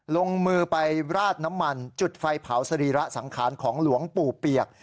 ลงมือไปราดน้ำมันจุดไฟเผาสรีระสังขารของหลวงปู่เปียก